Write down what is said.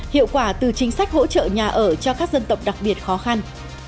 hiệu quả từ chính sách hỗ trợ nhà ở cho các dân tộc đặc biệt khó khăn